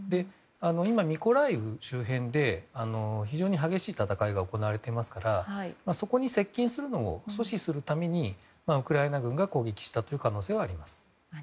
今、ミコライウ周辺で非常に激しい戦いが行われていますからそこに接近するのを阻止するためにウクライナ軍が攻撃した可能性はあります。